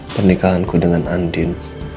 pernikahanku dengan andin